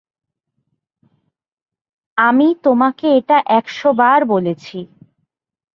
আমি তোমাকে এটা একশবার বলেছি।